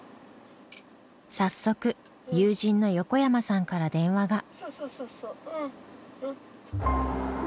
早速友人の横山さんから電話が。